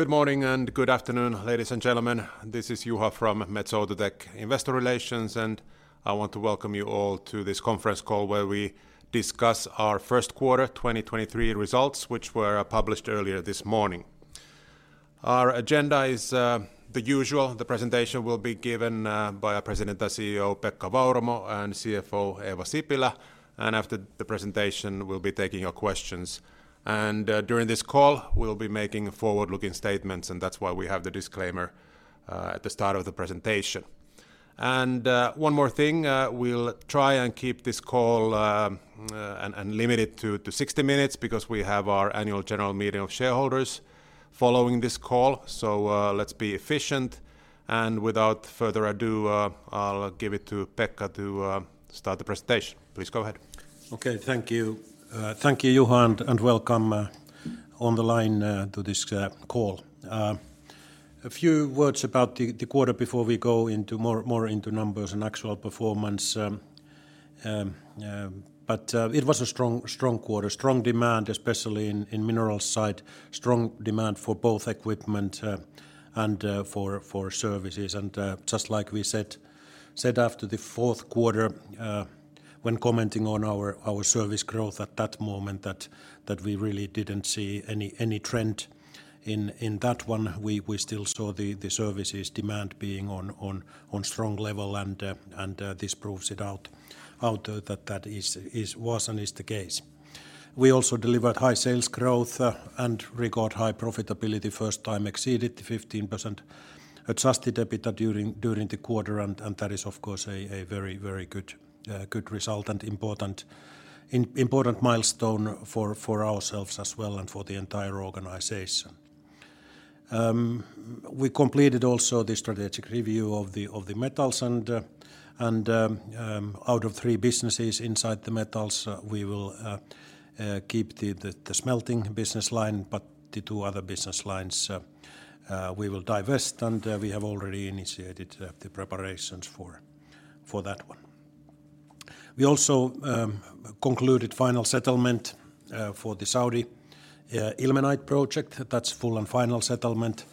Good morning and good afternoon, ladies and gentlemen. This is Juha from Metso Outotec Investor Relations. I want to welcome you all to this conference call where we discuss our first quarter 2023 results, which were published earlier this morning. Our agenda is the usual. The presentation will be given by our President and CEO Pekka Vauramo and CFO Eeva Sipilä. After the presentation, we'll be taking your questions. During this call, we'll be making forward-looking statements, and that's why we have the disclaimer at the start of the presentation. One more thing, we'll try and keep this call and limit it to 60 minutes because we have our annual general meeting of shareholders following this call. Let's be efficient. Without further ado, I'll give it to Pekka to start the presentation. Please go ahead. Okay. Thank you. Thank you, Juha, welcome on the line to this call. A few words about the quarter before we go into more into numbers and actual performance. It was a strong quarter. Strong demand, especially in minerals side, strong demand for both equipment and for services. Just like we said after the fourth quarter, when commenting on our service growth at that moment that we really didn't see any trend in that one, we still saw the services demand being on strong level. This proves it out that that was and is the case. We also delivered high sales growth and record high profitability, first time exceeded 15% adjusted EBITDA during the quarter and that is of course a very good result and important milestone for ourselves as well and for the entire organization. We completed also the strategic review of the metals and out of 3 businesses inside the metals, we will keep the smelting business line, but the 2 other business lines we will divest, and we have already initiated the preparations for that one. We also concluded final settlement for the Saudi ilmenite project. That's full and final settlement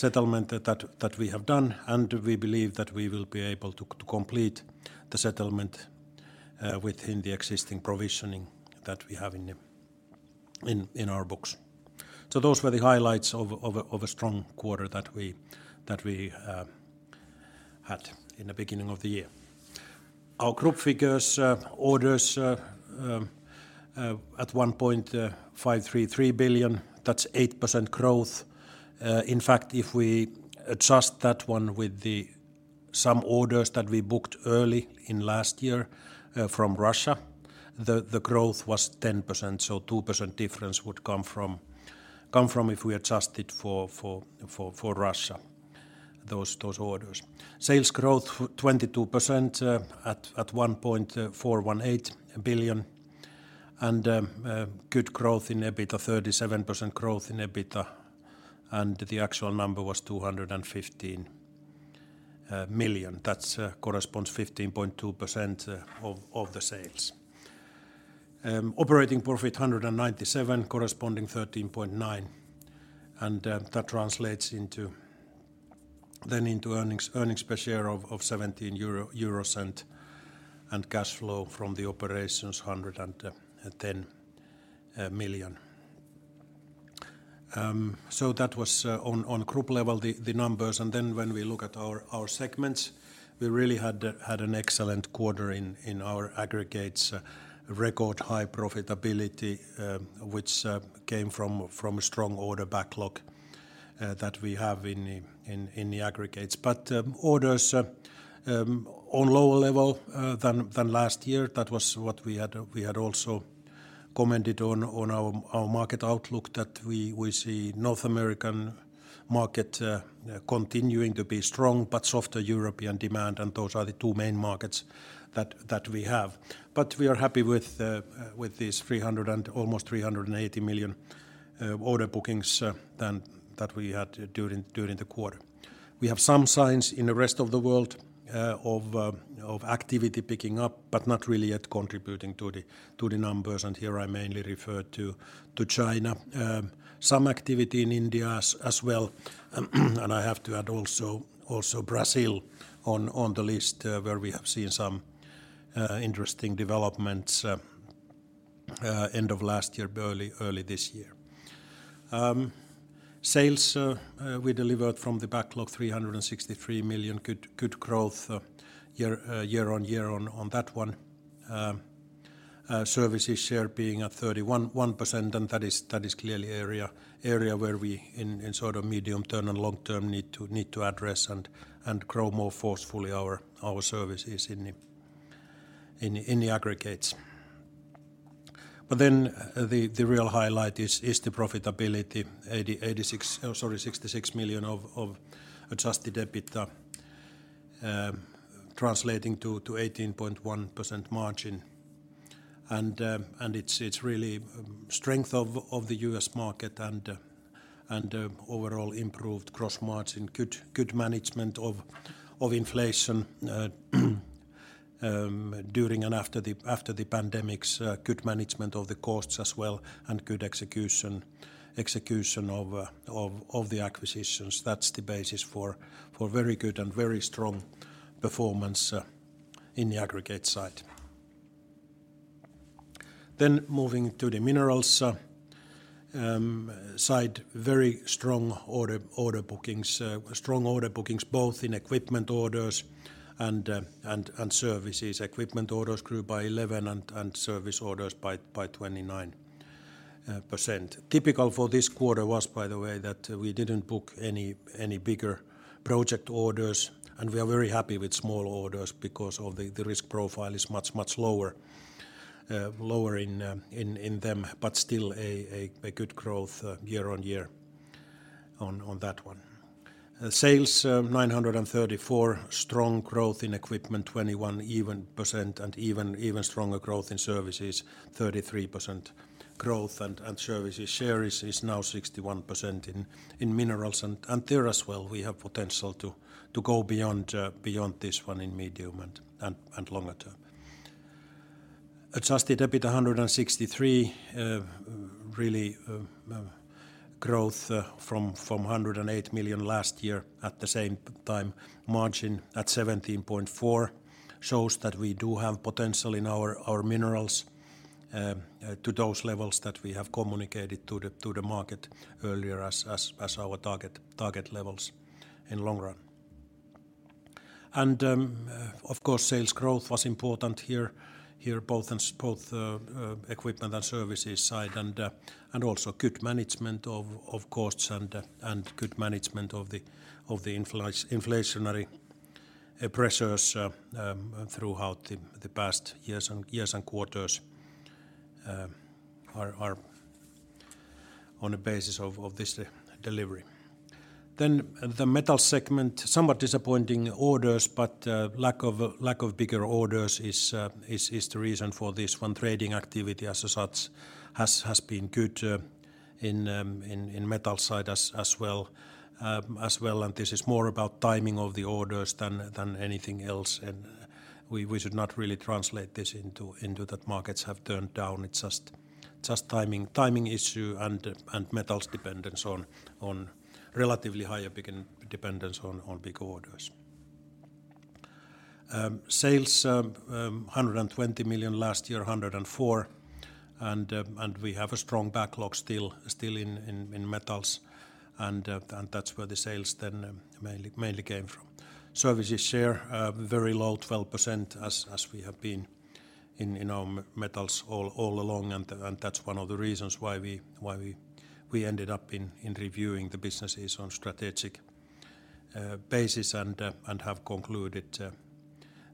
that we have done, and we believe that we will be able to complete the settlement within the existing provisioning that we have in our books. Those were the highlights of a strong quarter that we had in the beginning of the year. Our group figures, orders at 1.533 billion, that's 8% growth. In fact, if we adjust that one with the some orders that we booked early in last year from Russia, the growth was 10%. 2% difference would come from if we adjusted for Russia, those orders. Sales growth 22% at 1.418 billion. Good growth in EBITDA, 37% growth in EBITDA, and the actual number was 215 million. That corresponds 15.2% of the sales. Operating profit 197 million, corresponding 13.9%, and that translates then into earnings per share of 17 euro and cash flow from the operations 110 million. So that was on group level, the numbers. When we look at our segments, we really had an excellent quarter in our aggregates, record high profitability, which came from strong order backlog that we have in the aggregates. Orders on lower level than last year, that was what we had also commented on our market outlook that we see North American market continuing to be strong but softer European demand, and those are the two main markets that we have. We are happy with these 300 million and almost 380 million order bookings that we had during the quarter. We have some signs in the rest of the world of activity picking up but not really yet contributing to the numbers, and here I mainly refer to China. Some activity in India as well. Um, and I have to add also, also Brazil on, on the list, uh, where we have seen some, uh, interesting developments, uh, uh, end of last year, early, early this year. Um, sales, uh, uh, we delivered from the backlog 363 million, good, good growth, uh, year, uh, year on year on, on that one. Uh, uh, services share being at 31% percent, and that is, that is clearly area, area where we in, in sort of medium term and long term need to, need to address and, and grow more forcefully our, our services in the, in the, in the aggregates. But then the, the real highlight is, is the profitability, eighty, 86... oh, sorry, 66 million of, of adjusted EBITDA, um, translating to, to 18.1% percent margin. It's really strength of the U.S. market and overall improved gross margin, good management of inflation during and after the pandemic, good management of the costs as well, and good execution of the acquisitions. That's the basis for very good and very strong performance in the aggregate side. Moving to the minerals side, very strong order bookings, strong order bookings both in equipment orders and services. Equipment orders grew by 11% and service orders by 29%. Typical for this quarter was, by the way, that we didn't book any bigger project orders, and we are very happy with small orders because of the risk profile is much lower in them, but still a good growth year on year on that one. Sales, 934. Strong growth in equipment, 21% even, and even stronger growth in services, 33% growth. Services share is now 61% in minerals. There as well, we have potential to go beyond this one in medium and longer term. Adjusted EBITA 163, really growth from 108 million last year. At the same time, margin at 17.4% shows that we do have potential in our minerals to those levels that we have communicated to the market earlier as our target levels in long run. Of course, sales growth was important here both in equipment and services side, and also good management of course, and good management of the inflationary pressures throughout the past years and quarters are on the basis of this delivery. The metal segment, somewhat disappointing orders, but lack of bigger orders is the reason for this one. Trading activity as such has been good in metal side as well. This is more about timing of the orders than anything else. We should not really translate this into that markets have turned down. It's just timing issue and metals dependence on relatively higher big and dependence on big orders. Sales 120 million last year, 104. We have a strong backlog still in metals, and that's where the sales then mainly came from. Services share, very low, 12% as we have been in, you know, metals all along, and that's one of the reasons why we ended up in reviewing the businesses on strategic basis and have concluded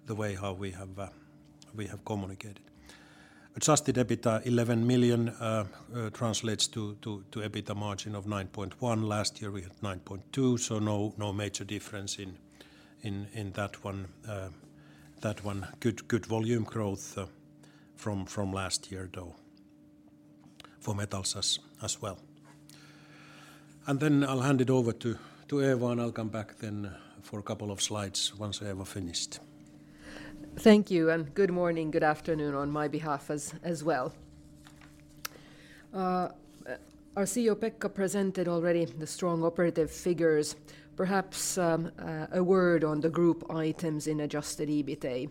the way how we have communicated. Adjusted EBITDA 11 million translates to EBITDA margin of 9.1. Last year, we had 9.2, so no major difference in that one. Good volume growth from last year though for metals as well. I'll hand it over to Eeva, and I'll come back then for a couple of slides once Eeva finished. Thank you. Good morning, good afternoon on my behalf as well. Our CEO Pekka presented already the strong operative figures. Perhaps a word on the group items in adjusted EBITA.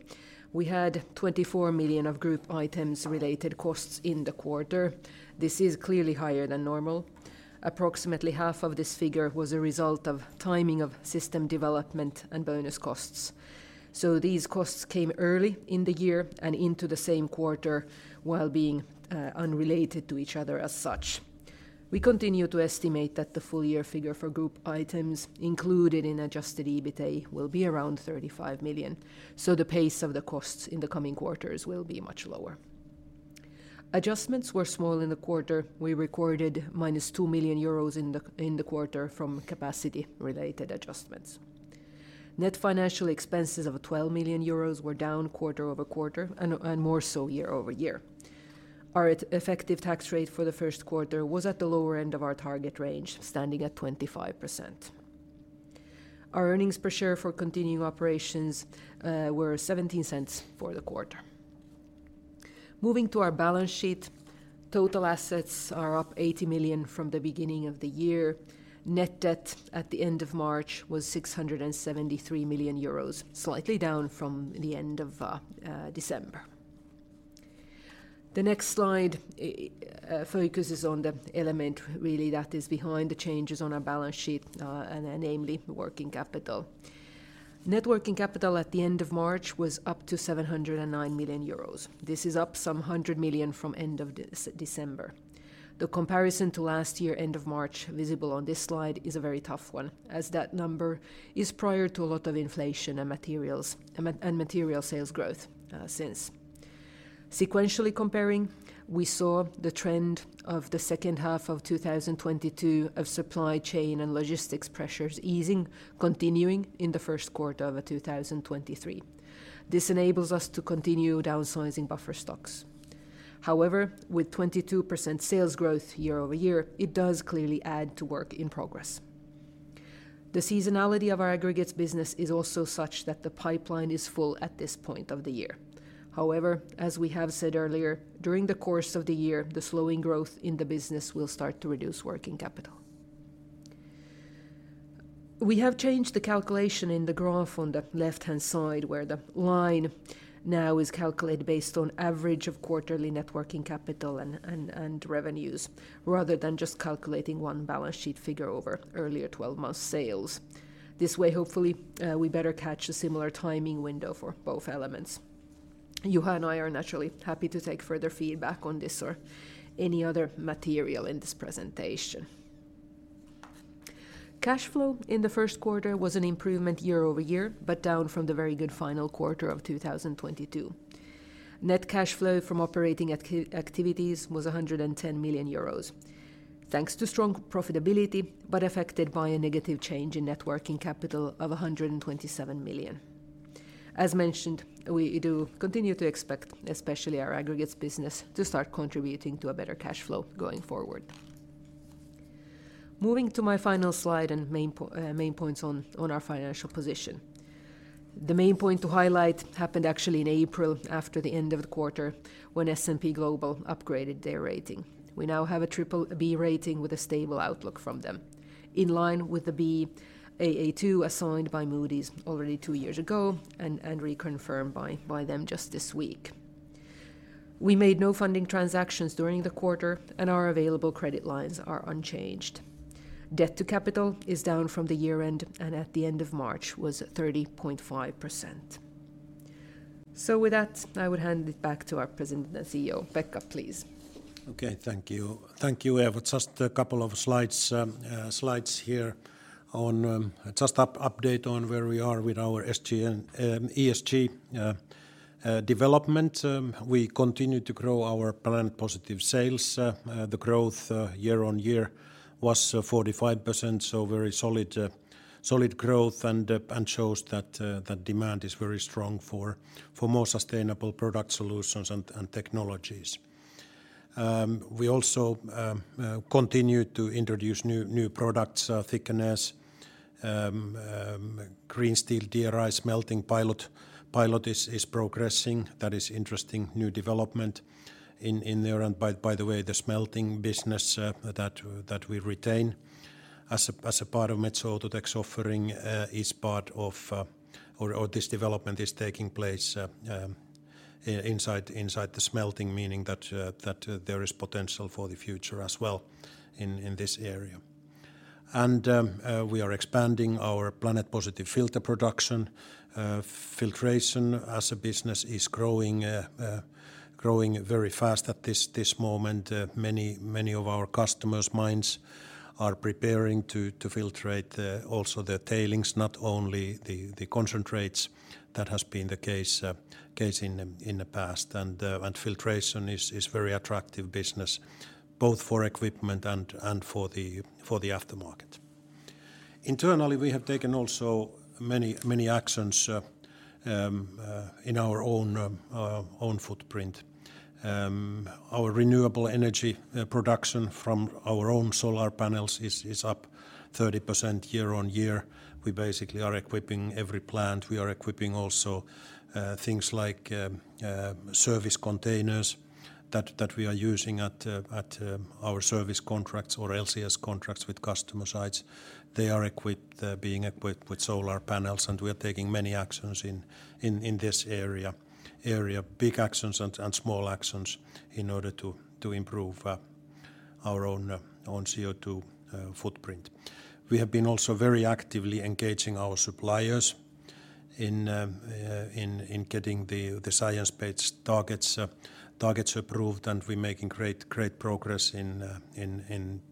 We had 24 million of group items related costs in the quarter. This is clearly higher than normal. Approximately half of this figure was a result of timing of system development and bonus costs. These costs came early in the year and into the same quarter while being unrelated to each other as such. We continue to estimate that the full year figure for group items included in adjusted EBITA will be around 35 million. The pace of the costs in the coming quarters will be much lower. Adjustments were small in the quarter. We recorded minus 2 million euros in the quarter from capacity-related adjustments. Net financial expenses of 12 million euros were down quarter-over-quarter and more so year-over-year. Our effective tax rate for the first quarter was at the lower end of our target range, standing at 25%. Our earnings per share for continuing operations were 0.17 for the quarter. Moving to our balance sheet, total assets are up 80 million from the beginning of the year. Net debt at the end of March was 673 million euros, slightly down from the end of December. The next slide focuses on the element really that is behind the changes on our balance sheet, and namely working capital. Net working capital at the end of March was up to 709 million euros. This is up some 100 million from end of December. The comparison to last year, end of March, visible on this slide is a very tough one, as that number is prior to a lot of inflation and materials, and material sales growth since. Sequentially comparing, we saw the trend of the second half of 2022 of supply chain and logistics pressures easing, continuing in the first quarter of 2023. This enables us to continue downsizing buffer stocks. With 22% sales growth year-over-year, it does clearly add to work in progress. The seasonality of our aggregates business is also such that the pipeline is full at this point of the year. As we have said earlier, during the course of the year, the slowing growth in the business will start to reduce working capital. We have changed the calculation in the graph on the left-hand side, where the line now is calculated based on average of quarterly net working capital and revenues, rather than just calculating one balance sheet figure over earlier twelve-month sales. This way, hopefully, we better catch a similar timing window for both elements. Juha and I are naturally happy to take further feedback on this or any other material in this presentation. Cash flow in the first quarter was an improvement year-over-year, down from the very good final quarter of 2022. Net cash flow from operating activities was 110 million euros, thanks to strong profitability, affected by a negative change in net working capital of 127 million. As mentioned, we do continue to expect, especially our aggregates business, to start contributing to a better cash flow going forward. Moving to my final slide and main points on our financial position. The main point to highlight happened actually in April after the end of the quarter, when S&P Global upgraded their rating. We now have a BBB rating with a stable outlook from them, in line with the Baa2 assigned by Moody's already two years ago and reconfirmed by them just this week. We made no funding transactions during the quarter, and our available credit lines are unchanged. Debt to capital is down from the year-end, and at the end of March was 30.5%. With that, I would hand it back to our President and CEO. Pekka, please. Okay, thank you. Thank you, Eeva. Just a couple of slides here on update on where we are with our ESG development. We continue to grow our Planet Positive sales. The growth year-on-year was 45%, so very solid growth and shows that demand is very strong for more sustainable product solutions and technologies. We also continue to introduce new products, thickness, green steel DRI smelting pilot. Pilot is progressing. That is interesting new development in there. By the way, the smelting business that we retain as a part of Metso Outotec's offering is part of... This development is taking place inside the smelting, meaning that there is potential for the future as well in this area. We are expanding our Planet Positive filter production. Filtration as a business is growing very fast at this moment. Many of our customers' mines are preparing to filtrate also their tailings, not only the concentrates. That has been the case in the past. Filtration is very attractive business both for equipment and for the aftermarket. Internally, we have taken also many actions in our own footprint. Our renewable energy production from our own solar panels is up 30% year-on-year. We basically are equipping every plant. We are equipping also things like service containers that we are using at our service contracts or LCS contracts with customer sites. They are equipped, being equipped with solar panels. We are taking many actions in this area, big actions and small actions in order to improve our own CO2 footprint. We have been also very actively engaging our suppliers in getting the science-based targets approved. We're making great progress in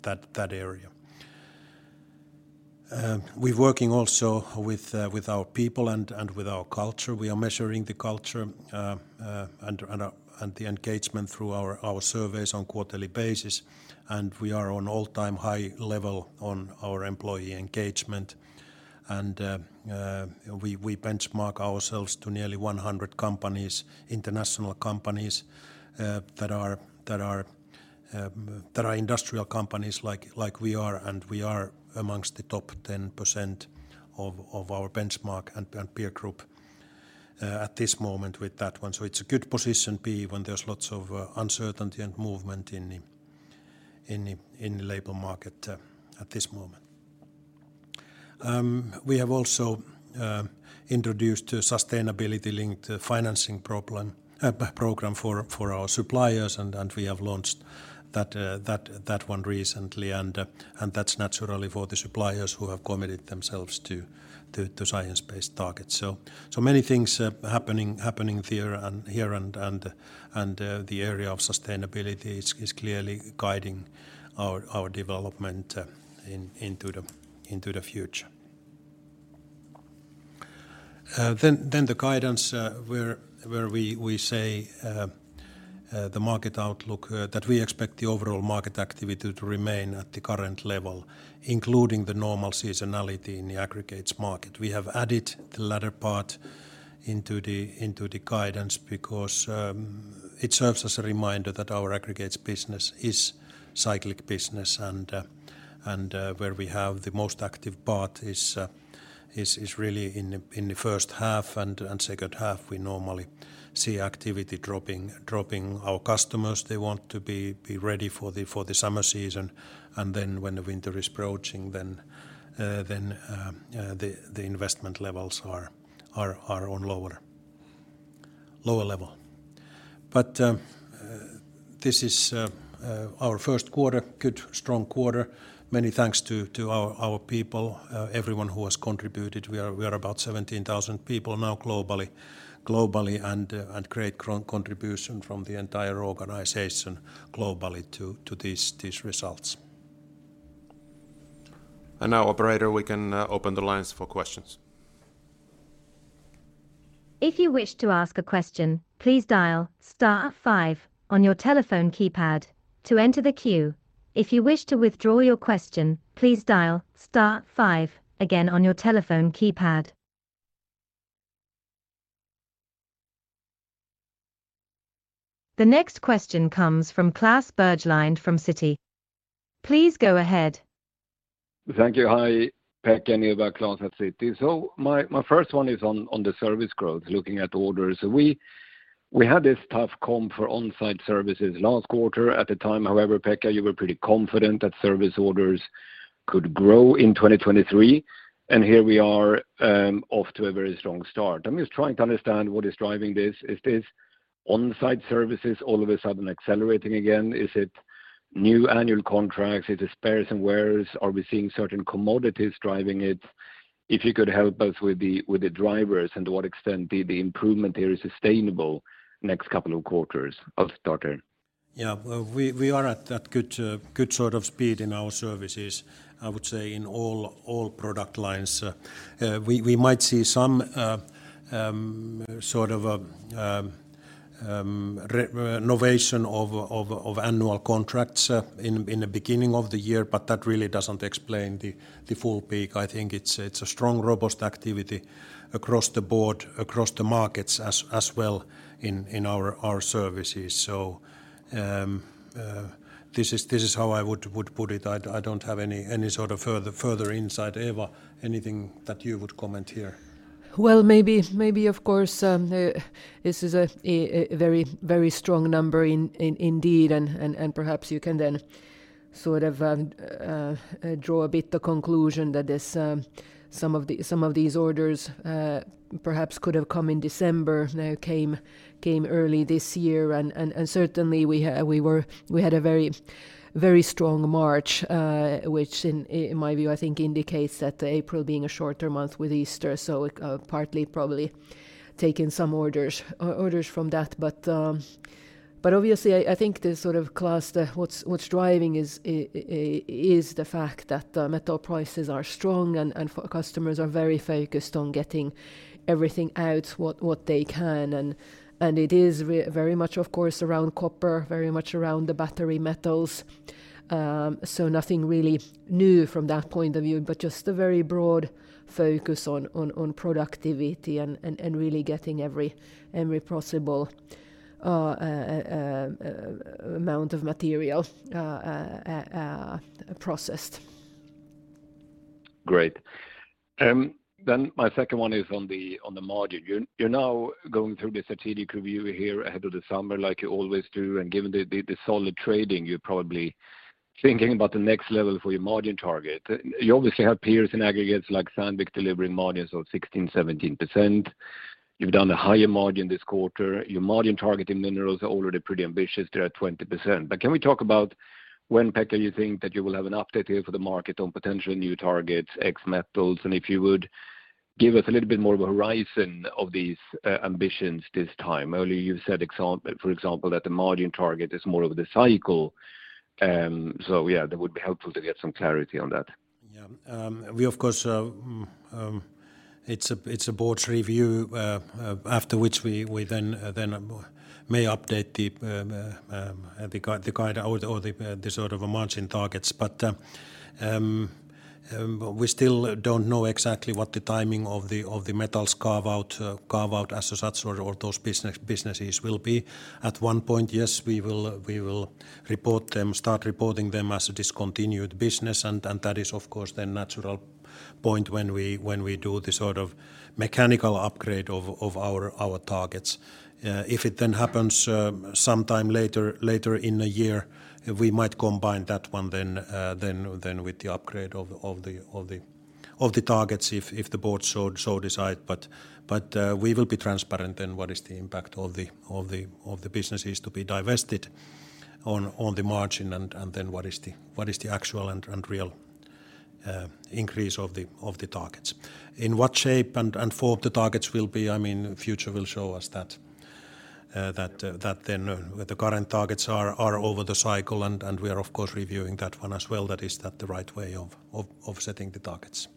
that area. We're working also with our people and with our culture. We are measuring the culture, and the engagement through our surveys on quarterly basis, and we are on all-time high level on our employee engagement. We benchmark ourselves to nearly 100 companies, international companies, that are industrial companies like we are, and we are amongst the top 10% of our benchmark and peer group at this moment with that one. It's a good position be when there's lots of uncertainty and movement in the labor market at this moment. We have also introduced a sustainability-linked financing problem, program for our suppliers, and we have launched that one recently, and that's naturally for the suppliers who have committed themselves to science-based targets. Many things happening there, and here and the area of sustainability is clearly guiding our development into the future. The guidance where we say the market outlook that we expect the overall market activity to remain at the current level, including the normal seasonality in the aggregates market. We have added the latter part into the guidance because it serves as a reminder that our aggregates business is cyclic business and where we have the most active part is really in the first half. Second half we normally see activity dropping. Our customers, they want to be ready for the summer season, and then when the winter is approaching, the investment levels are on lower level. This is our first quarter, good strong quarter. Many thanks to our people, everyone who has contributed. We are about 17,000 people now globally, and great contribution from the entire organization globally to these results. Now operator, we can open the lines for questions. If you wish to ask a question, please dial star five on your telephone keypad to enter the queue. If you wish to withdraw your question, please dial star five again on your telephone keypad. The next question comes from Klas Bergelind from Citi. Please go ahead. Thank you. Hi, Pekka and Eeva. Klas at Citi. My first one is on the service growth, looking at orders. We had this tough comp for on-site services last quarter. At the time, however, Pekka, you were pretty confident that service orders could grow in 2023, and here we are off to a very strong start. I'm just trying to understand what is driving this. Is this on-site services all of a sudden accelerating again? Is it new annual contracts? Is it spares and wears? Are we seeing certain commodities driving it? If you could help us with the drivers and to what extent the improvement here is sustainable next couple of quarters. I'll start there. Well, we are at that good sort of speed in our services, I would say in all product lines. We might see some sort of renovation of annual contracts in the beginning of the year, that really doesn't explain the full peak. I think it's a strong, robust activity across the board, across the markets as well in our services. This is how I would put it. I don't have any sort of further insight. Eeva, anything that you would comment here? Maybe of course, this is a very, very strong number indeed, and perhaps you can then sort of draw a bit the conclusion that some of these orders perhaps could have come in December. Came early this year and certainly We had a very, very strong March, which in my view, I think indicates that April being a shorter month with Easter, it partly probably taken some orders from that. Obviously I think the sort of Klas What's driving is the fact that metal prices are strong and customers are very focused on getting everything out what they can. It is very much, of course, around copper, very much around the battery metals. Nothing really new from that point of view, but just a very broad focus on productivity and really getting every possible amount of material processed. Great. Then my second one is on the margin. You're now going through the strategic review here ahead of the summer like you always do, and given the solid trading, you're probably thinking about the next level for your margin target. You obviously have peers in aggregates like Sandvik delivering margins of 16%-17%. You've done a higher margin this quarter. Your margin target in minerals are already pretty ambitious. They're at 20%. Can we talk about when, Pekka, you think that you will have an update here for the market on potential new targets, X metals, and if you would give us a little bit more of a horizon of these ambitions this time? Earlier you said for example that the margin target is more of the cycle. Yeah, that would be helpful to get some clarity on that. Yeah. We of course, it's a board's review after which we may update the guide or the sort of margin targets. We still don't know exactly what the timing of the metals carve-out as such or those businesses will be. At one point, yes, we will report them, start reporting them as a discontinued business and that is of course the natural point when we do the sort of mechanical upgrade of our targets. If it then happens, sometime later in the year, we might combine that one then with the upgrade of the targets if the board so decide. We will be transparent in what is the impact of the businesses to be divested on the margin and then what is the actual and real increase of the targets. In what shape and form the targets will be, I mean, future will show us that. That then the current targets are over the cycle and we are of course reviewing that one as well that is that the right way of setting the targets.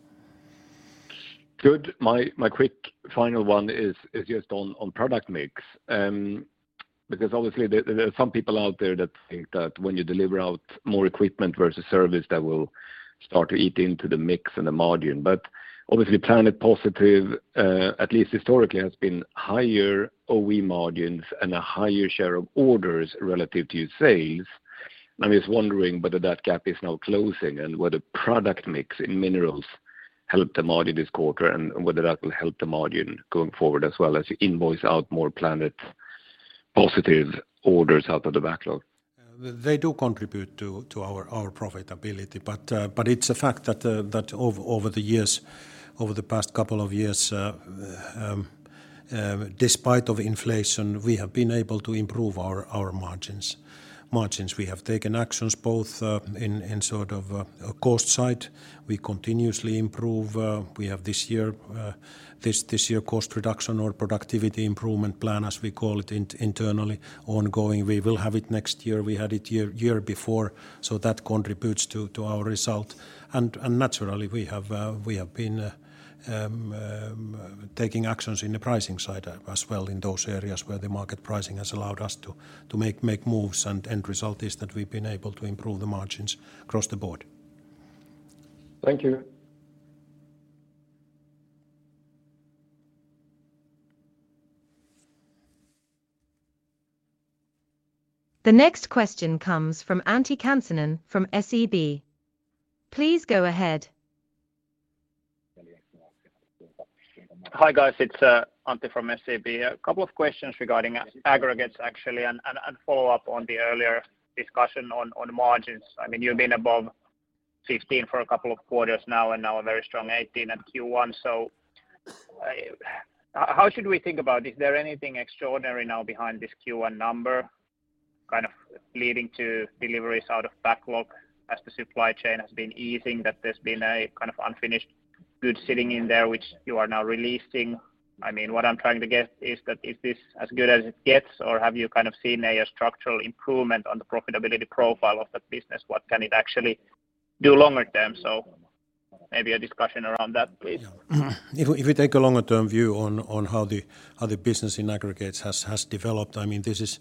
Good. My, my quick final one is just on product mix. Because obviously there are some people out there that think that when you deliver out more equipment versus service that will start to eat into the mix and the margin. Obviously Planet Positive, at least historically has been higher OE margins and a higher share of orders relative to your sales. I'm just wondering whether that gap is now closing and whether product mix in minerals helped the margin this quarter and whether that will help the margin going forward as well as you invoice out more Planet Positive orders out of the backlog. They do contribute to our profitability. It's a fact that over the past couple of years, despite of inflation, we have been able to improve our margins. We have taken actions both in sort of cost side. We continuously improve. We have this year cost reduction or productivity improvement plan, as we call it internally ongoing. We will have it next year. We had it year before. That contributes to our result. Naturally we have been taking actions in the pricing side as well in those areas where the market pricing has allowed us to make moves and end result is that we've been able to improve the margins across the board. Thank you. The next question comes from Antti Kansanen from SEB. Please go ahead. Hi, guys. It's Antti from SEB. A couple of questions regarding aggregates actually and follow up on the earlier discussion on margins. I mean, you've been above 15% for a couple of quarters now and now a very strong 18% at Q1. How should we think about... Is there anything extraordinary now behind this Q1 number kind of leading to deliveries out of backlog as the supply chain has been easing that there's been a kind of unfinished good sitting in there which you are now releasing? I mean, what I'm trying to get is that, is this as good as it gets, or have you kind of seen a structural improvement on the profitability profile of that business? What can it actually do longer term? Maybe a discussion around that, please. If we take a longer term view on how the business in aggregates has developed, I mean, this is,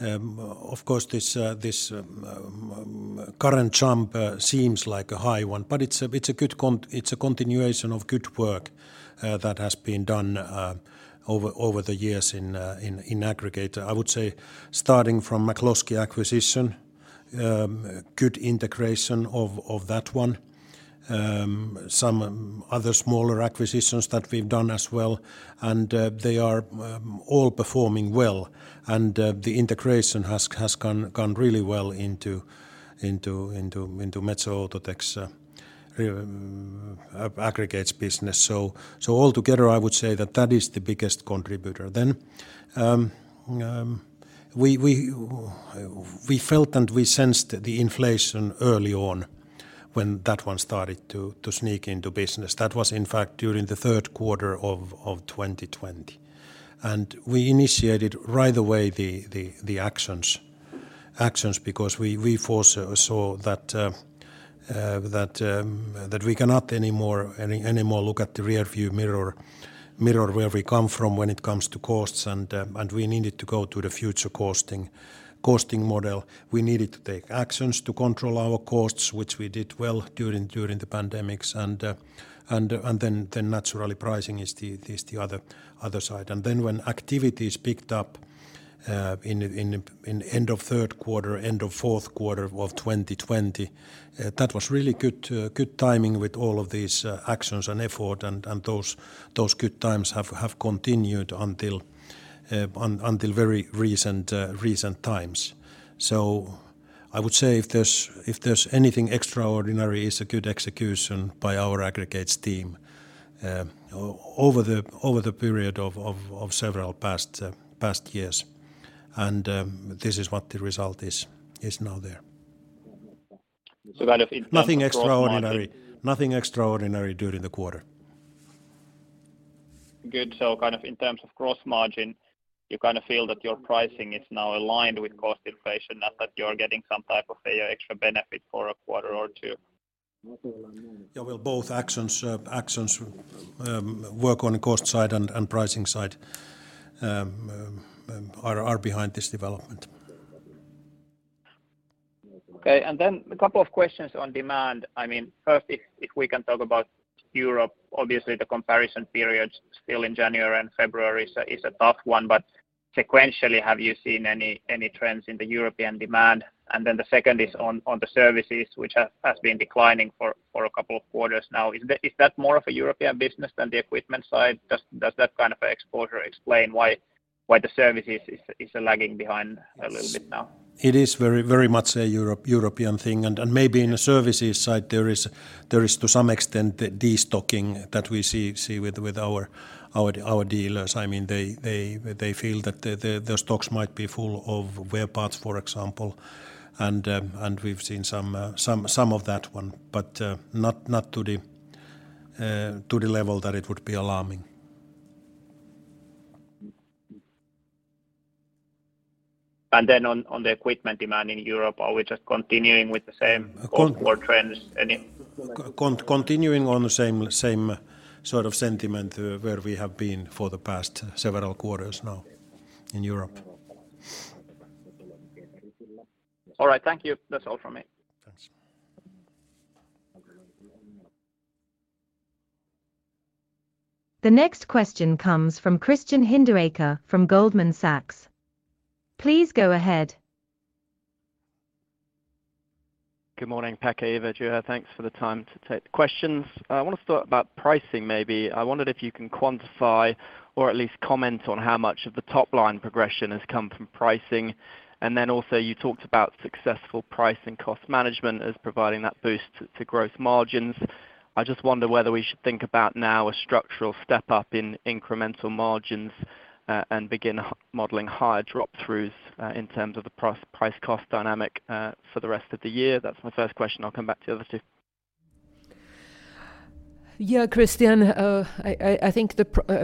of course this current jump seems like a high one, but it's a good continuation of good work that has been done over the years in aggregate. I would say starting from McCloskey acquisition, good integration of that one. Some other smaller acquisitions that we've done as well, and they are all performing well. The integration has gone really well into Metso Outotec's aggregates business. All together, I would say that that is the biggest contributor. We felt and we sensed the inflation early on when that one started to sneak into business. That was in fact during the third quarter of 2020. We initiated right away the actions because we foresaw that we cannot anymore look at the rearview mirror where we come from when it comes to costs and we needed to go to the future costing model. We needed to take actions to control our costs, which we did well during the pandemics and then naturally pricing is the other side. When activities picked up, in end of third quarter, end of fourth quarter of 2020, that was really good timing with all of these actions and effort and those good times have continued until very recent times. I would say if there's anything extraordinary is a good execution by our aggregates team, over the period of several past years. This is what the result is now there. in terms of gross margin. Nothing extraordinary. Nothing extraordinary during the quarter. Good. In terms of gross margin, you feel that your pricing is now aligned with cost inflation, not that you're getting some type of a extra benefit for a quarter or 2? Well, both actions, work on cost side and pricing side, are behind this development. A couple of questions on demand. I mean, first if we can talk about Europe, obviously the comparison period still in January and February is a tough one. Sequentially, have you seen any trends in the European demand? The second is on the services which has been declining for a couple of quarters now. Is that more of a European business than the equipment side? Does that kind of exposure explain why the services is lagging behind a little bit now? It is very much a European thing. Maybe in the services side there is to some extent the destocking that we see with our dealers. I mean, they feel that the stocks might be full of wear parts, for example. We've seen some of that one, but not to the level that it would be alarming. on the equipment demand in Europe, are we just continuing with the same quarter trends? Continuing on the same sort of sentiment, where we have been for the past several quarters now in Europe. All right. Thank you. That's all from me. Thanks. The next question comes from Christian Hinderaker from Goldman Sachs. Please go ahead. Good morning, Pekka, Eeva, Juha. Thanks for the time to take the questions. I want to start about pricing maybe. I wondered if you can quantify or at least comment on how much of the top line progression has come from pricing. Then also you talked about successful price and cost management as providing that boost to growth margins. I just wonder whether we should think about now a structural step up in incremental margins, and begin modeling higher drop-throughs in terms of the price cost dynamic for the rest of the year. That's my first question. I'll come back to the other two. Yeah, Christian, I think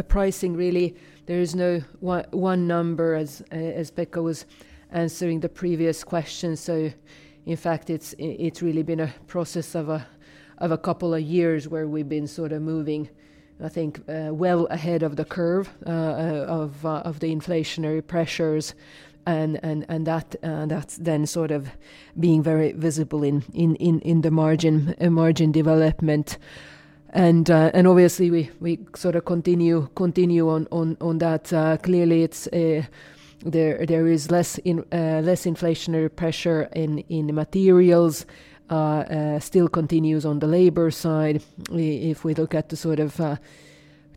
pricing really there is no one number as Pekka was answering the previous question. In fact, it's really been a process of a couple of years where we've been sort of moving, I think, well ahead of the curve, of the inflationary pressures and that's then sort of being very visible in the margin development. Obviously we sort of continue on that. Clearly, it's, there is less inflationary pressure in the materials, still continues on the labor side if we look at the sort of,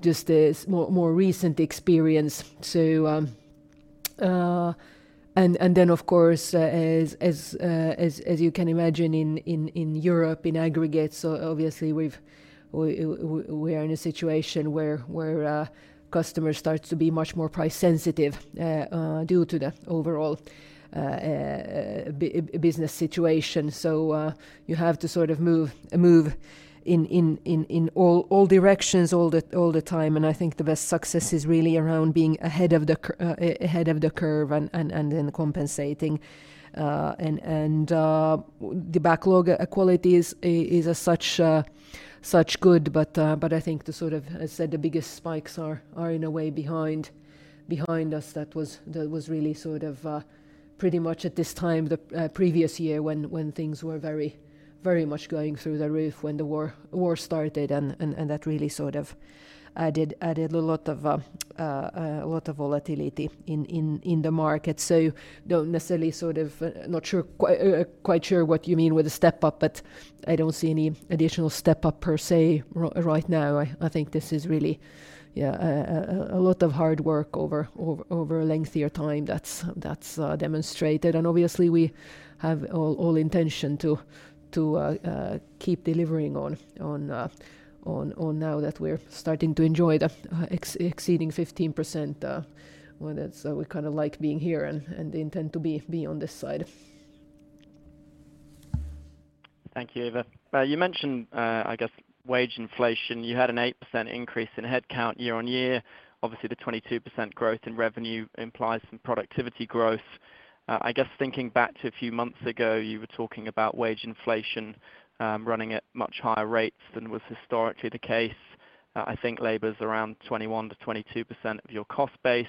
just the more recent experience. And then of course, as, as you can imagine in, in Europe in aggregate, obviously we are in a situation where, customers starts to be much more price sensitive, due to the overall, business situation. You have to sort of move in, in all directions, all the, all the time. I think the best success is really around being ahead of the curve and then compensating. The backlog quality is such good, but I think the sort of, as said, the biggest spikes are in a way behind us. That was really sort of pretty much at this time the previous year when things were very much going through the roof when the war started. That really sort of added a lot of volatility in the market. Don't necessarily quite sure what you mean with the step up, but I don't see any additional step up per se right now. I think this is really a lot of hard work over a lengthier time that's demonstrated. Obviously we have all intention to keep delivering on now that we're starting to enjoy the exceeding 15%. Well, that's, we kind of like being here and intend to be on this side. Thank you, Eeva. You mentioned, I guess wage inflation. You had an 8% increase in headcount year-on-year. Obviously, the 22% growth in revenue implies some productivity growth. I guess thinking back to a few months ago, you were talking about wage inflation, running at much higher rates than was historically the case. I think labor's around 21%-22% of your cost base.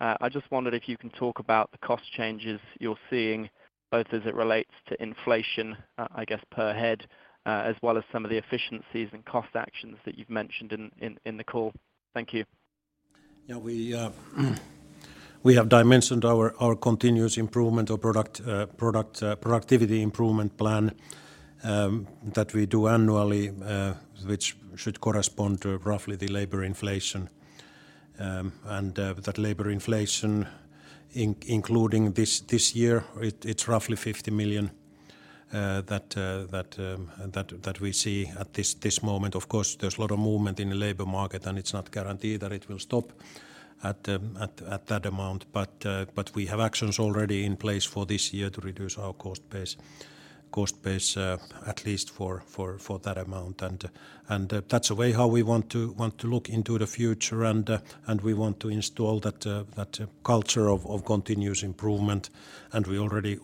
I just wondered if you can talk about the cost changes you're seeing, both as it relates to inflation, I guess per head, as well as some of the efficiencies and cost actions that you've mentioned in the call. Thank you. Yeah. We have dimensioned our continuous improvement or product productivity improvement plan that we do annually, which should correspond to roughly the labor inflation. That labor inflation including this year, it's roughly 50 million that we see at this moment. Of course, there's a lot of movement in the labor market, and it's not guaranteed that it will stop at that amount. We have actions already in place for this year to reduce our cost base for that amount. That's the way how we want to look into the future and we want to install that culture of continuous improvement. We already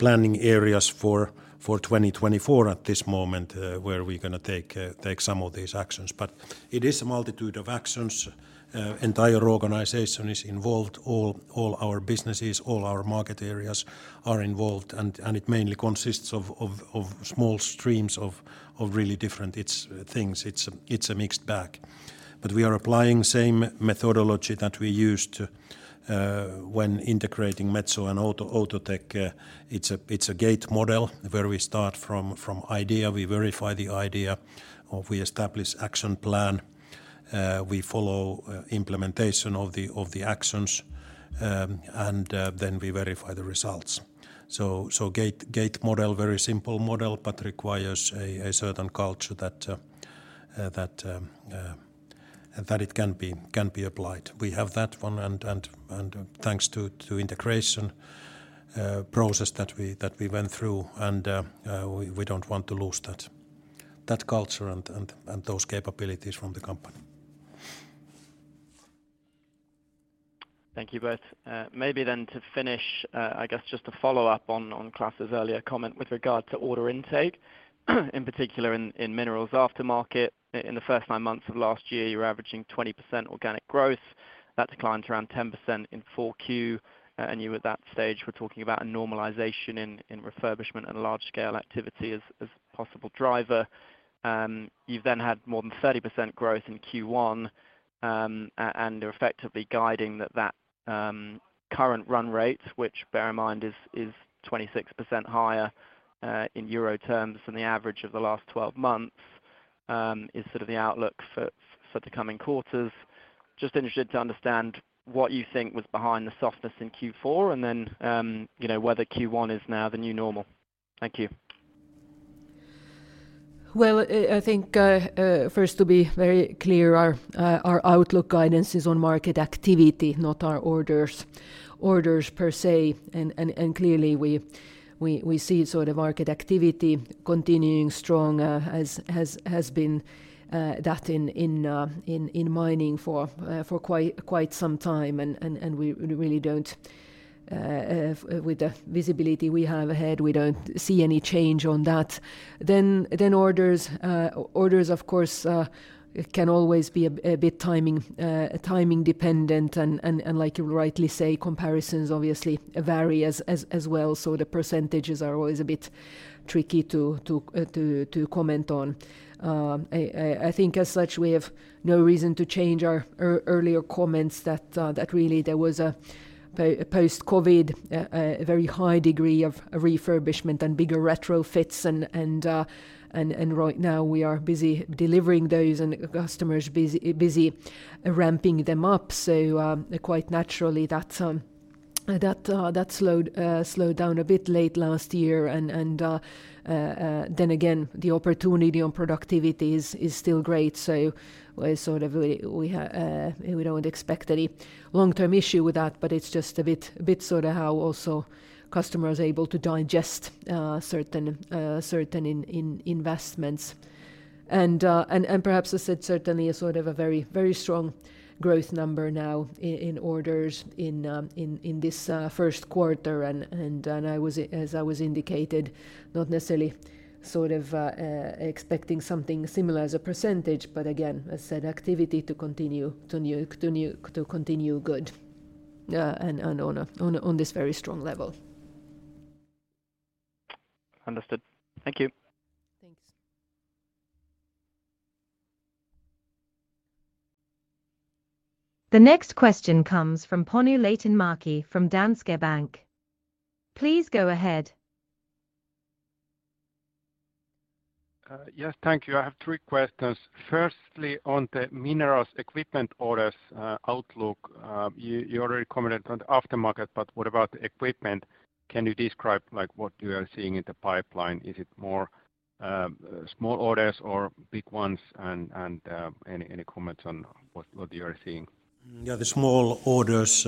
planning areas for 2024 at this moment, where we're gonna take some of these actions. It is a multitude of actions. Entire organization is involved. All our businesses, all our market areas are involved. It mainly consists of small streams of really different things. It's a mixed bag. We are applying same methodology that we used when integrating Metso and Outotec. It's a gate model where we start from idea. We verify the idea or we establish action plan. We follow implementation of the actions and then we verify the results. Gate model, very simple model, but requires a certain culture that it can be applied. We have that one and thanks to integration process that we went through and we don't want to lose that culture and those capabilities from the company. Thank you both. Maybe then to finish, I guess just to follow up on Klas' earlier comment with regard to order intake, in particular in minerals aftermarket. In the first 9 months of last year, you were averaging 20% organic growth. That declined to around 10% in Q4, and you at that stage were talking about a normalization in refurbishment and large scale activity as possible driver. You've then had more than 30% growth in Q1, and you're effectively guiding that current run rate, which bear in mind is 26% higher in EUR terms than the average of the last 12 months, is sort of the outlook for the coming quarters. Just interested to understand what you think was behind the softness in Q4 and then, you know, whether Q1 is now the new normal. Thank you. Well, I think, first to be very clear, our outlook guidance is on market activity, not our orders per se. Clearly we see sort of market activity continuing strong, as has been that in mining for quite some time. We really don't, with the visibility we have ahead, we don't see any change on that. Orders of course, can always be a bit timing dependent and like you rightly say, comparisons obviously vary as well. The percentages are always a bit tricky to comment on. I think as such, we have no reason to change our earlier comments that really there was a post COVID very high degree of refurbishment and bigger retrofits and, and right now we are busy delivering those and customers ramping them up. Quite naturally that that slowed down a bit late last year. The opportunity on productivity is still great. We sort of, we don't expect any long-term issue with that, but it's just a bit sort of how also customers are able to digest certain investments. Perhaps as said, certainly a sort of a very strong growth number now in orders in in this first quarter. I was, as I was indicated, not necessarily sort of, expecting something similar as a percentage, but again, as said, activity to continue good, and on this very strong level. Understood. Thank you. Thanks. The next question comes from Panu Laitinmäki from Danske Bank. Please go ahead. Yes, thank you. I have three questions. Firstly, on the minerals equipment orders, outlook, you already commented on the aftermarket, but what about the equipment? Can you describe like what you are seeing in the pipeline? Is it more small orders or big ones? Any comments on what you are seeing? Yeah. The small orders,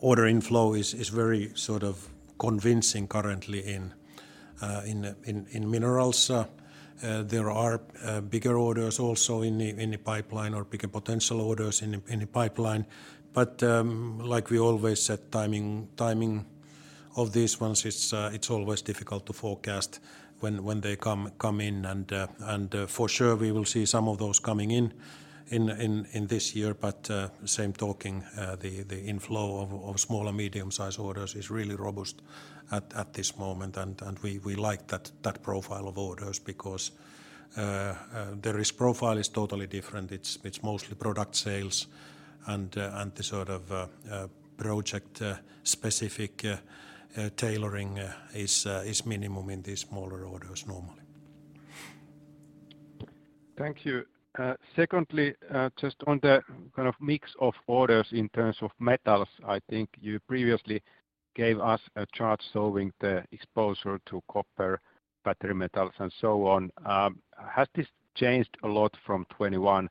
order inflow is very sort of convincing currently in minerals. There are bigger orders also in the pipeline or bigger potential orders in the pipeline. Like we always said, timing of these ones, it's always difficult to forecast when they come in. For sure we will see some of those coming in this year. Same talking, the inflow of small and medium sized orders is really robust at this moment. We like that profile of orders because the risk profile is totally different. It's mostly product sales and the sort of project specific tailoring is minimum in these smaller orders normally. Thank you. Secondly, just on the kind of mix of orders in terms of metals, I think you previously gave us a chart showing the exposure to copper, battery metals, and so on. Has this changed a lot from 2021,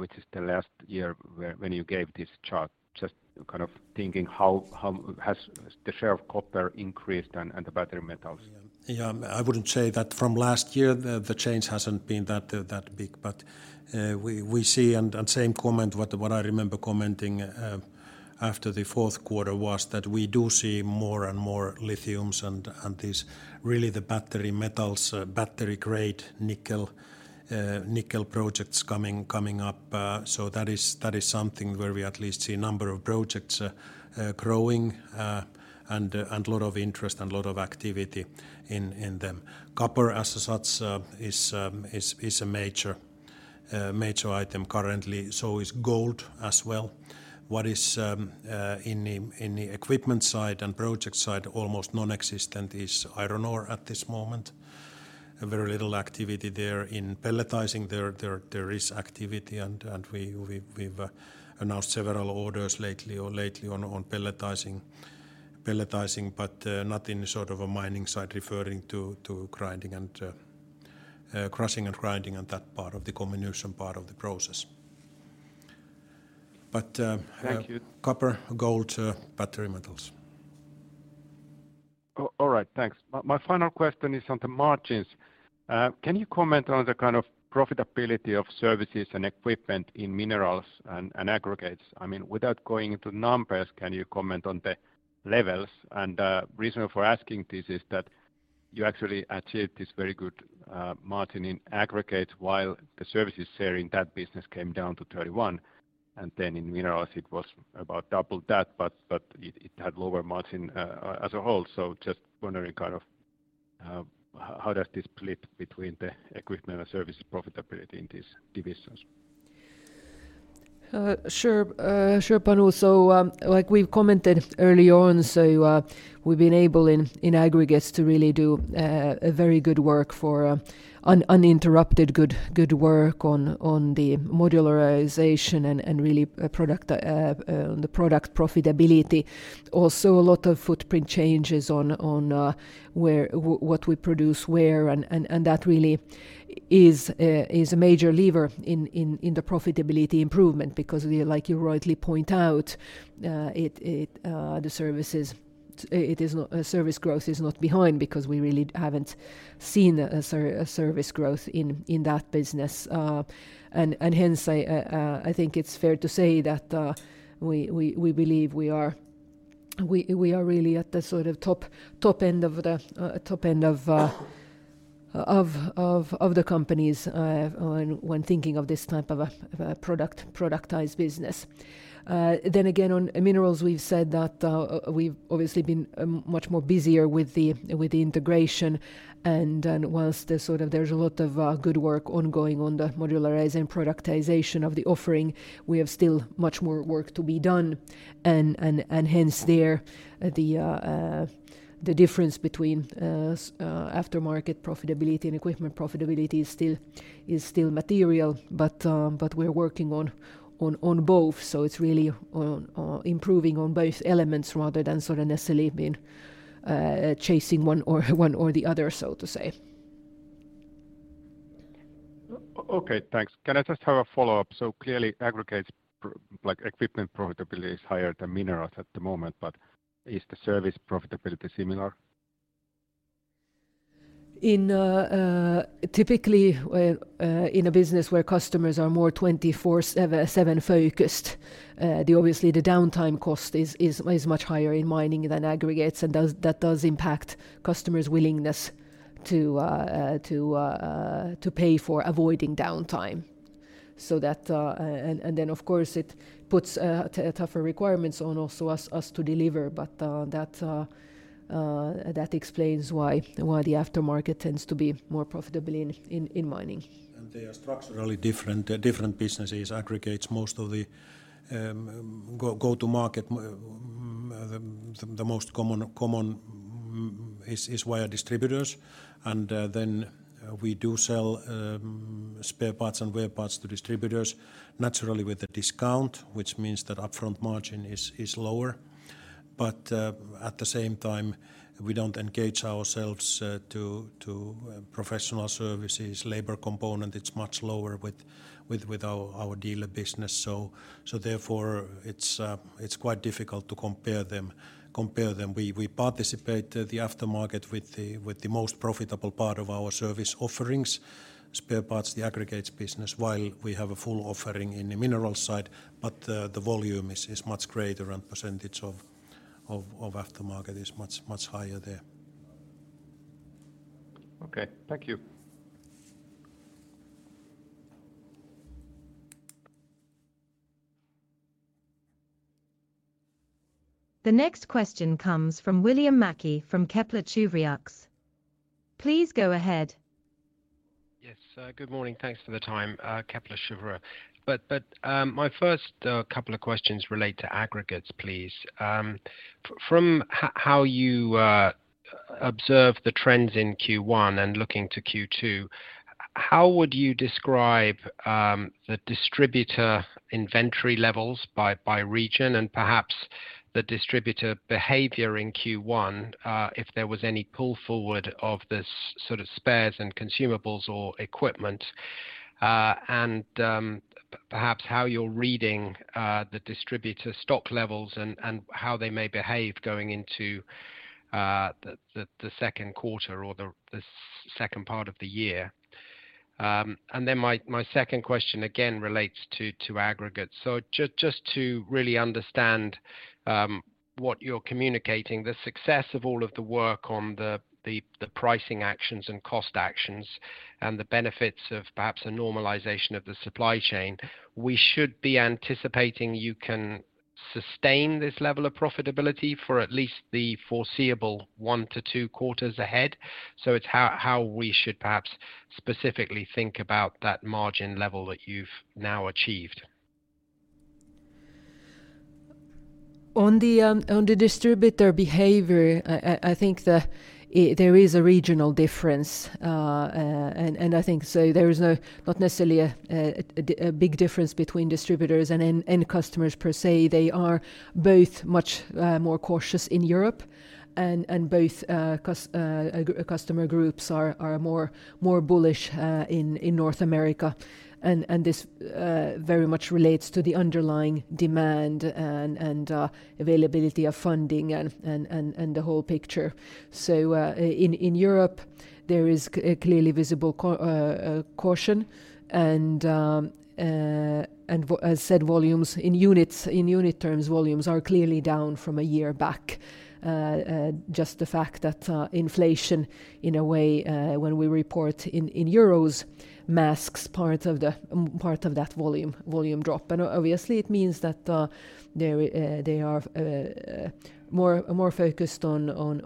which is the last year when you gave this chart? Just kind of thinking how has the share of copper increased and the battery metals. Yeah. Yeah. I wouldn't say that from last year the change hasn't been that big. We, we see and same comment what I remember commenting after the fourth quarter was that we do see more and more lithiums and these really the battery metals, battery-grade nickel projects coming up. That is, that is something where we at least see a number of projects growing, and lot of interest and lot of activity in them. Copper as such is a major item currently. Is gold as well. What is in the equipment side and project side, almost nonexistent is iron ore at this moment. Very little activity there. In pelletizing, there is activity and we've announced several orders lately or lately on pelletizing. Pelletizing, but not in sort of a mining site referring to grinding and crushing and grinding and that part of the combination part of the process. Thank you.... copper, gold, battery metals. All right. Thanks. My final question is on the margins. Can you comment on the kind of profitability of services and equipment in minerals and aggregates? I mean, without going into numbers, can you comment on the levels? Reason for asking this is that you actually achieved this very good margin in aggregate while the services share in that business came down to 31%, and then in minerals it was about double that, but it had lower margin as a whole. Just wondering kind of how does this split between the equipment and service profitability in these divisions? Sure, sure, Panu. Like we've commented early on, we've been able in aggregates to really do a very good work for uninterrupted good work on the modularization and really on the product profitability. Also a lot of footprint changes on what we produce where and that really is a major lever in the profitability improvement because we, like you rightly point out, the services, it is not service growth is not behind because we really haven't seen a service growth in that business. Hence, I think it's fair to say that we believe we are really at the sort of top end of the top end of the companies when thinking of this type of a productized business. Again, on minerals, we've said that we've obviously been much more busier with the integration and whilst there's sort of, there's a lot of good work ongoing on the modularizing and productization of the offering, we have still much more work to be done. Hence there, the difference between aftermarket profitability and equipment profitability is still material. We're working on both. It's really on improving on both elements rather than sort of necessarily been chasing one or the other, so to say. Okay, thanks. Can I just have a follow-up? Clearly aggregates like equipment profitability is higher than minerals at the moment, but is the service profitability similar? In typically, in a business where customers are more 24/7 focused, obviously the downtime cost is much higher in mining than aggregates, and does, that does impact customers' willingness to pay for avoiding downtime. That, and then of course it puts tougher requirements on also us to deliver. That explains why the aftermarket tends to be more profitable in mining. They are structurally different businesses. Aggregates, most of the go to market, the most common is via distributors. We do sell spare parts and wear parts to distributors, naturally with a discount, which means that upfront margin is lower. At the same time, we don't engage ourselves to professional services. Labor component, it's much lower with our dealer business. Therefore it's quite difficult to compare them. We participate the aftermarket with the most profitable part of our service offerings, spare parts, the Aggregates business, while we have a full offering in the Mineral side, but the volume is much greater and percentage of aftermarket is much higher there. Okay. Thank you. The next question comes from William Mackie from Kepler Cheuvreux. Please go ahead. Yes. Good morning. Thanks for the time. Kepler Cheuvreux. My first couple of questions relate to aggregates, please. How you observe the trends in Q1 and looking to Q2, how would you describe the distributor inventory levels by region and perhaps the distributor behavior in Q1, if there was any pull forward of the sort of spares and consumables or equipment? Perhaps how you're reading the distributor stock levels and how they may behave going into the second quarter or the second part of the year. My second question again relates to aggregates. Just to really understand what you're communicating, the success of all of the work on the pricing actions and cost actions and the benefits of perhaps a normalization of the supply chain, we should be anticipating you can sustain this level of profitability for at least the foreseeable 1 to 2 quarters ahead. It's how we should perhaps specifically think about that margin level that you've now achieved. On the on the distributor behavior, I think there is a regional difference. I think so there is not necessarily a big difference between distributors and end customers per se. They are both much more cautious in Europe and both customer groups are more bullish in North America. This very much relates to the underlying demand and availability of funding and the whole picture. In Europe, there is clearly visible caution and as said, volumes in units, in unit terms, volumes are clearly down from a year back. Just the fact that inflation in a way, when we report in EUR masks part of the part of that volume drop. Obviously it means that they're they are more focused on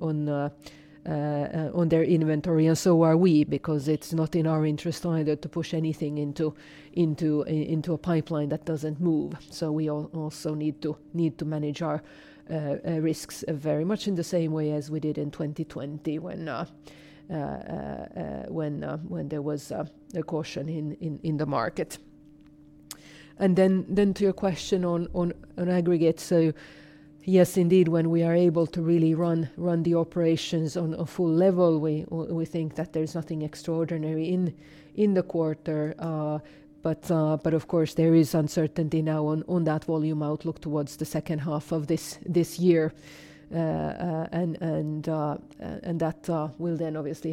their inventory, and so are we, because it's not in our interest either to push anything into a pipeline that doesn't move. We also need to manage our risks very much in the same way as we did in 2020 when there was a caution in the market. Then to your question on aggregate. Yes, indeed, when we are able to really run the operations on a full level, we think that there's nothing extraordinary in the quarter. But of course there is uncertainty now on that volume outlook towards the second half of this year. And that will then obviously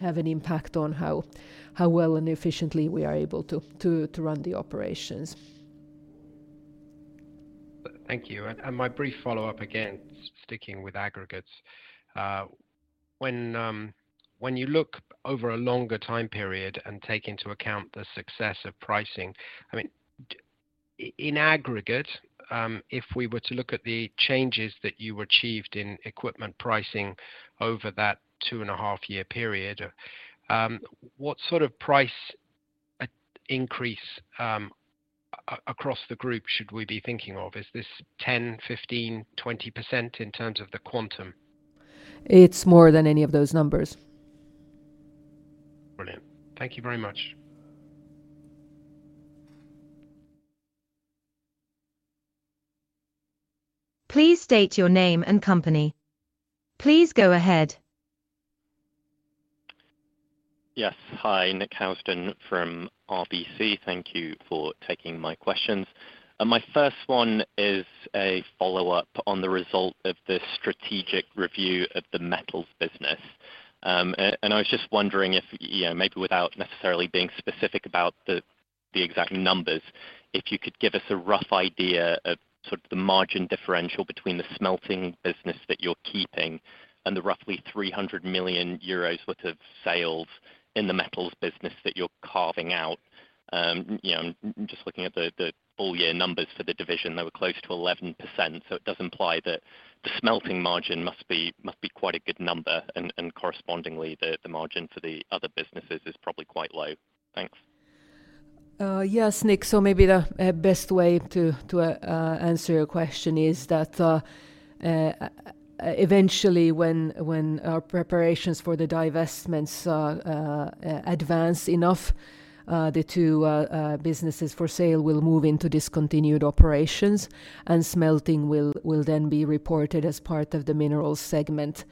have an impact on how well and efficiently we are able to run the operations. Thank you. My brief follow-up, again, sticking with aggregates. When you look over a longer time period and take into account the success of pricing, I mean, in aggregate, if we were to look at the changes that you achieved in equipment pricing over that 2.5 year period, what sort of price increase across the group should we be thinking of? Is this 10%, 15%, 20% in terms of the quantum? It's more than any of those numbers. Brilliant. Thank you very much. Please state your name and company. Please go ahead. Yes. Hi, Nick Housden from RBC. Thank you for taking my questions. My first one is a follow-up on the result of the strategic review of the metals business. I was just wondering if, you know, maybe without necessarily being specific about the exact numbers, if you could give us a rough idea of sort of the margin differential between the smelting business that you're keeping and the roughly 300 million euros worth of sales in the metals business that you're carving out. You know, just looking at the all year numbers for the division, they were close to 11%, so it does imply that the smelting margin must be quite a good number, and correspondingly the margin for the other businesses is probably quite low. Thanks. Yes, Nick. Maybe the best way to answer your question is that eventually when our preparations for the divestments advance enough, the two businesses for sale will move into discontinued operations, and smelting will then be reported as part of the minerals segment.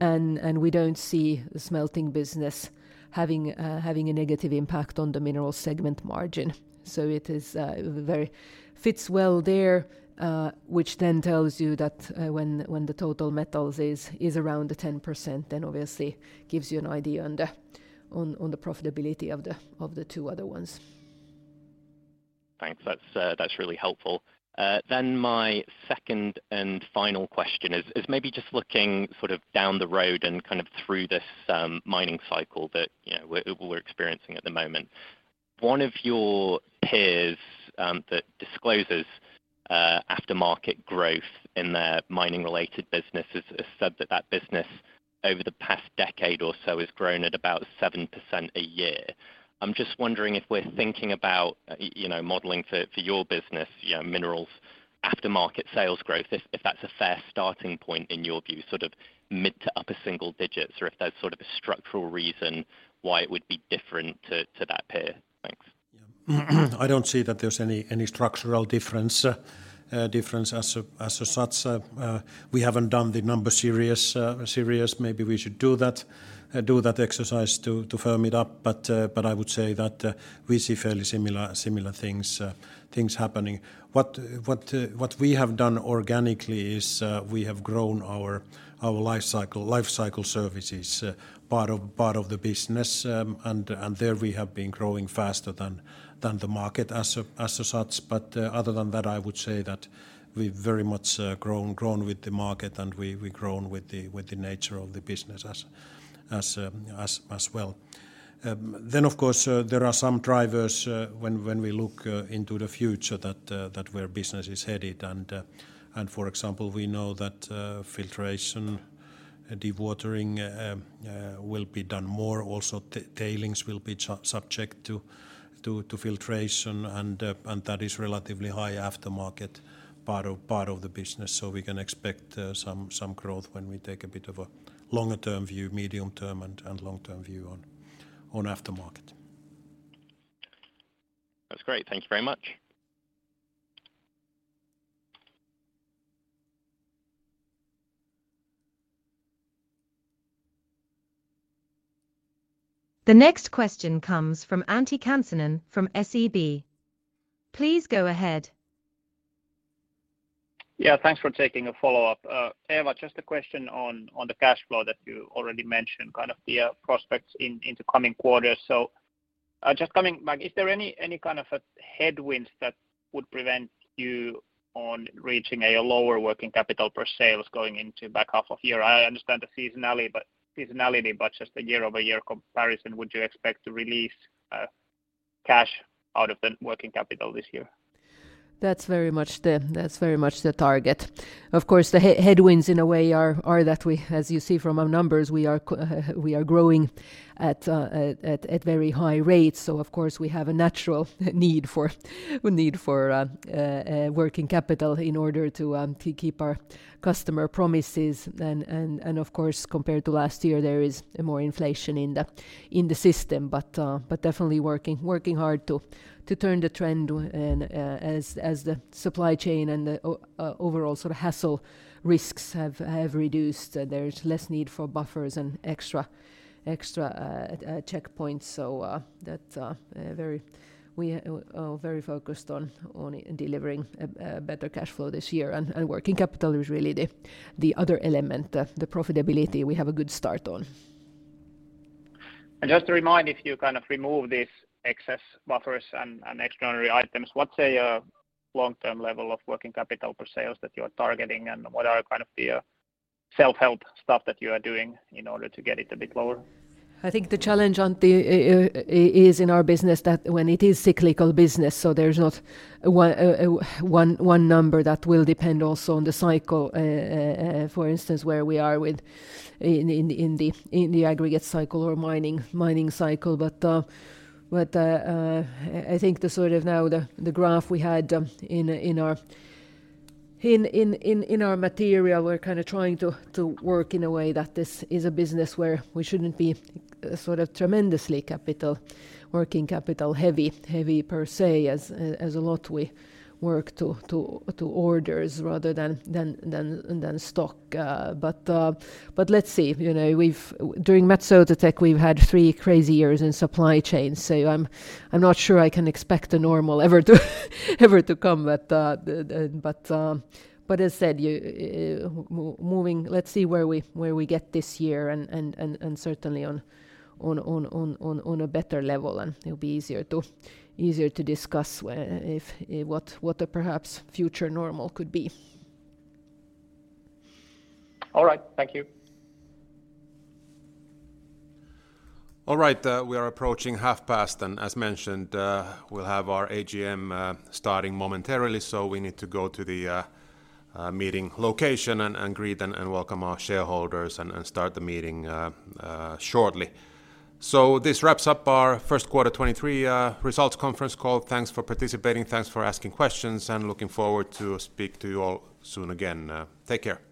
We don't see the smelting business having a negative impact on the minerals segment margin. It is very fits well there, which tells you that when the total metals is around the 10%, obviously gives you an idea on the profitability of the two other ones. Thanks. That's really helpful. My second and final question is maybe just looking sort of down the road and kind of through this mining cycle that, you know, we're experiencing at the moment. One of your peers that discloses aftermarket growth in their mining related businesses has said that that business over the past decade or so has grown at about 7% a year. I'm just wondering if we're thinking about, you know, modeling for your business, you know, minerals aftermarket sales growth, if that's a fair starting point in your view, sort of mid to upper single digits, or if there's sort of a structural reason why it would be different to that peer? Thanks. Yeah. I don't see that there's any structural difference as a such. We haven't done the numbers serious. Maybe we should do that exercise to firm it up. I would say that we see fairly similar things happening. What we have done organically is we have grown our Life Cycle Services part of the business. There we have been growing faster than the market as a such. Other than that, I would say that we've very much grown with the market and we've grown with the nature of the business as well. Of course, there are some drivers when we look into the future that where business is headed. For example, we know that filtration, dewatering will be done more, also tailings will be subject to filtration and that is relatively high aftermarket part of the business. We can expect some growth when we take a bit of a longer term view, medium term and long-term view on aftermarket. That's great. Thank you very much. The next question comes from Antti Kansanen from SEB. Please go ahead. Yeah, thanks for taking a follow-up. Eeva, just a question on the cash flow that you already mentioned, kind of the prospects in the coming quarters. Just coming back, is there any a headwinds that would prevent you on reaching a lower working capital per sales going into back half of year? I understand the seasonality, but just a year-over-year comparison, would you expect to release cash out of the working capital this year? That's very much the target. Of course, the headwinds in a way are that we, as you see from our numbers, we are growing at very high rates. Of course, we have a natural need for working capital in order to keep our customer promises. Of course, compared to last year, there is more inflation in the system. Definitely working hard to turn the trend and as the supply chain and the overall sort of hassle risks have reduced. There's less need for buffers and extra checkpoints. That we are very focused on delivering a better cash flow this year. Working capital is really the other element. Profitability we have a good start on. Just to remind, if you kind of remove these excess buffers and extraordinary items, what's a long-term level of working capital per sales that you are targeting? What are kind of the self-help stuff that you are doing in order to get it a bit lower? I think the challenge, Antti, is in our business that when it is cyclical business, there's not one number that will depend also on the cycle, for instance, where we are within the aggregate cycle or mining cycle. I think the sort of now the graph we had in our material, we're kind of trying to work in a way that this is a business where we shouldn't be sort of tremendously capital, working capital heavy per se, as a lot we work to orders rather than stock. Let's see. You know, During Metso Outotec, we've had 3 crazy years in supply chain. I'm not sure I can expect the normal ever to come. The, as said, let's see where we get this year and certainly on a better level, and it'll be easier to discuss what the perhaps future normal could be. All right. Thank you. All right. We are approaching half past. As mentioned, we'll have our AGM starting momentarily, so we need to go to the meeting location and greet and welcome our shareholders and start the meeting shortly. This wraps up our first quarter 2023 results conference call. Thanks for participating. Thanks for asking questions, and looking forward to speak to you all soon again. Take care.